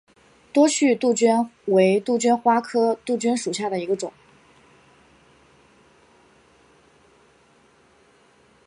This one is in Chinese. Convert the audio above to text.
多趣杜鹃为杜鹃花科杜鹃属下的一个种。